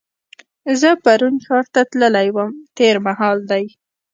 زه پرون ښار ته تللې وم تېر مهال دی.